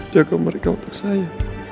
jaga mereka untuk saya